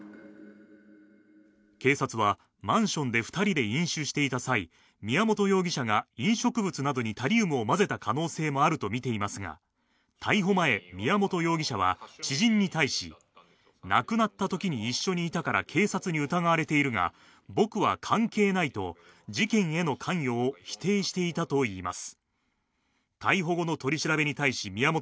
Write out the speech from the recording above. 警察はマンションで２人で飲酒していた際、宮本容疑者が飲食物などにタリウムを混ぜた可能性もあるとみていますが逮捕前、宮本容疑者は知人に対し、亡くなったときに一緒にいたから警察に疑われているが僕は関係ないと事件への関与を否定していたといいます。